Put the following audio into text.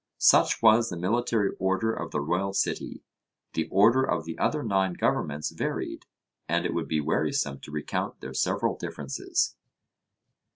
Such was the military order of the royal city the order of the other nine governments varied, and it would be wearisome to recount their several differences.